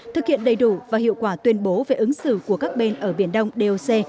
thực hiện đầy đủ và hiệu quả tuyên bố về ứng xử của các bên ở biển đông doc